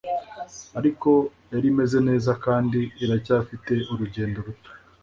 ariko yari imeze neza kandi iracyafite urugendo ruto